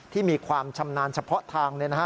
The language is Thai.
ที่มีความชำนาญเฉพาะทาง